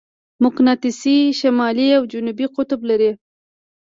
مقناطیس شمالي او جنوبي قطب لري.